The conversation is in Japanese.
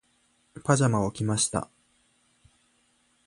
パジャマを着ました。